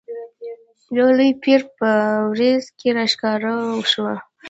یو لوی پیری په وریځ کې را ښکاره شو.